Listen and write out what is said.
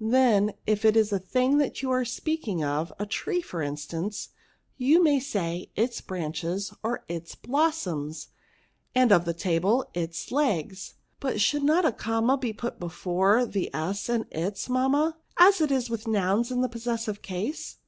Then if it is a thing you are speak ing of, a tree, for instance, you may say, its branches, or its blossoms ; and of a table, its legs. But should not a comma be put before the s in its, mamma, as it is with nouns in the possessive case